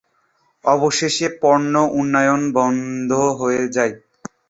অবশেষে পণ্য উন্নয়ন বন্ধ হয়ে যায়।